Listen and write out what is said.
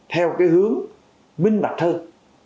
theo cái hướng minh mạch hơn